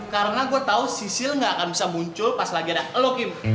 karena gue tau sisil ga akan bisa muncul pas lagi ada elo kim